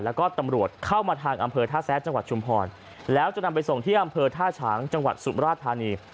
แล้วก็ตำรวจเข้ามาทางอำเภอท่าแซะจังหวัดชุมพรแล้วจะนำไปส่งที่อำเภอท่าฉางจังหวัดสุมราชธานี